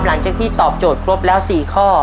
หลังจากที่ตอบโจทย์ครบแล้ว๔ข้อ